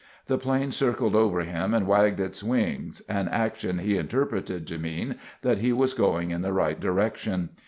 The plane circled over him and wagged its wings, an action he interpreted to mean that he was going in the right direction.